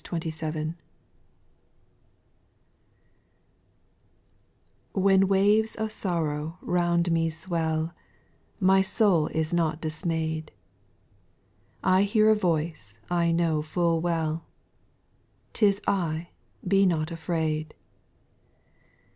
TITIIEN waves of sorrow round me swell, T I My soul is not dismay'd ; 1 hear a voice I know full well, '' 'T is I, be not afraid."